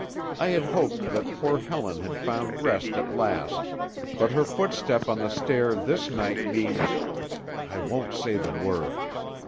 I had hoped that poor Helen had found rest at last, but her footstep on the stair this night means I won't say the word!